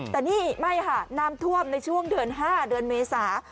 แต่นี่ไม่ค่ะน้ำท่วมในช่วงเดือน๕เดือนเมษา